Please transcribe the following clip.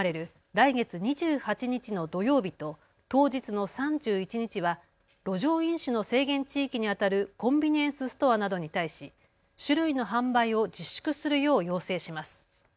来月２８日の土曜日と当日の３１日は路上飲酒の制限地域にあたるコンビニエンスストアなどに対し酒類の販売を自粛するよう要請します。